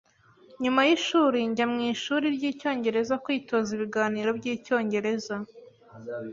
Nyuma yishuri, njya mwishuri ryicyongereza kwitoza ibiganiro byicyongereza